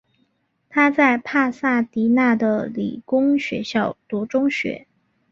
他在帕萨迪娜的理工学校读中学。